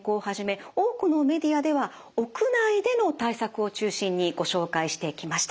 多くのメディアでは屋内での対策を中心にご紹介してきました。